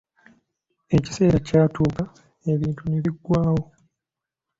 Ekiseera kyatuuka ebintu ne biggwawo.